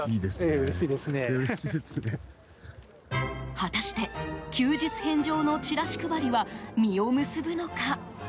果たして、休日返上のチラシ配りは、実を結ぶのか。